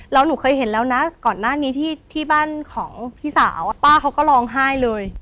แล้วหนูเคยเห็นแล้วนะก่อนหน้านี้ที่บ้านของพี่สาวป้าเขาก็ร้องไห้เลย